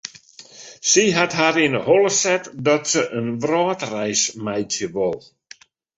Sy hat har yn 'e holle set dat se in wrâldreis meitsje wol.